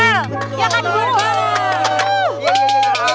iya kan bu